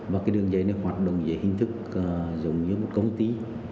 và cái đường dây này hoạt động dưới hình thức giống như một công ty